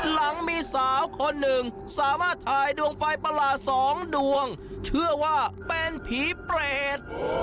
หลังมีสาวคนหนึ่งสามารถถ่ายดวงไฟประหลาดสองดวงเชื่อว่าเป็นผีเปรต